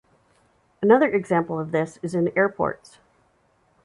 Another example of this is in airports.